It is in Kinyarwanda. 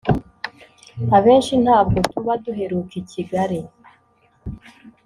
Abenshi ntabwo tuba duheruka i Kigali